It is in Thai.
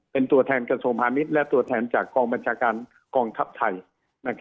เป็นตัวแทนกระทรวงพาณิชย์และตัวแทนจากกองบัญชาการกองทัพไทย